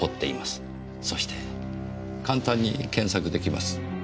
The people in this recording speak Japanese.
そして簡単に検索できます。